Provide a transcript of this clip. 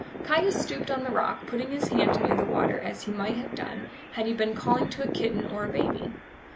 Caius stooped on the rock, putting his hand near the water as he might have done had he been calling to a kitten or a baby.